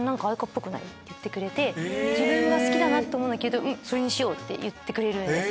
自分が好きだなって思うの着ると「それにしよう」って言ってくれる。